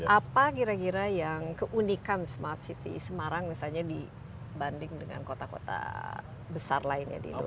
apa kira kira yang keunikan smart city semarang misalnya dibanding dengan kota kota besar lainnya di indonesia